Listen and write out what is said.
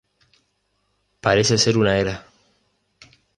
Parece ser una era.